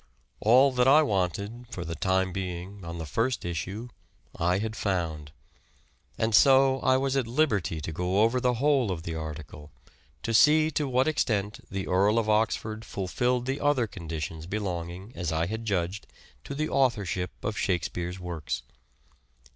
All that I wanted, for the time being, on the first issue, I had found ; and so I was at liberty to go over the whole of the article, to see to what extent the Earl of Oxford fulfilled the other conditions belonging, as I had judged, to the authorship of Shakespeare's works.